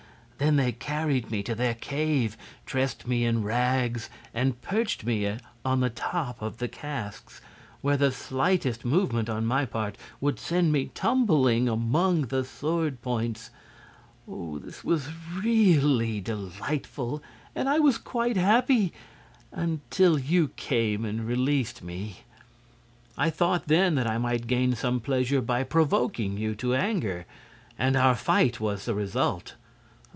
Then they carried me to their cave, dressed me in rags, and perched me on the top of the casks, where the slightest movement on my part would send me tumbling among the sword points. This was really delightful, and I was quite happy until you came and released me. "I thought then that I might gain some pleasure by provoking you to anger; and our fight was the result.